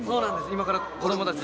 今から子どもたち。